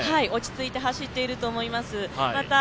落ち着いて走っていると思います。